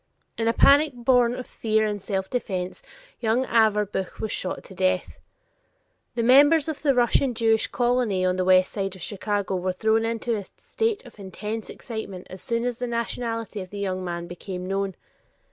In a panic born of fear and self defense, young Averbuch was shot to death. The members of the Russian Jewish colony on the west side of Chicago were thrown into a state of intense excitement as soon as the nationality of the young man became known.